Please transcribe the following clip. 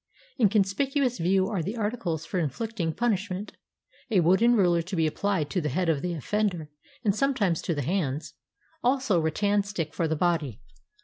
In conspicuous view are the articles for inflicting punishment; a wooden ruler to be applied to the head of the offender and sometimes to the hands, also a rattan stick for the body.